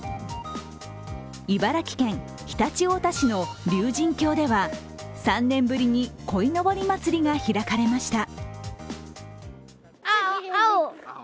茨城県常陸太田市の竜神峡では、３年ぶりに鯉のぼりまつりが開かれました。